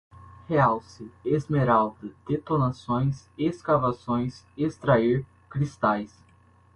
realce, esmeralda, detonações, escavações, extrair, cristais